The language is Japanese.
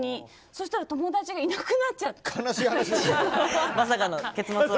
そうしたら友達がいなくなっちゃって。